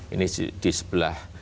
ini di sebelah